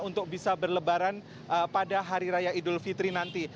untuk bisa berlebaran pada hari raya idul fitri nanti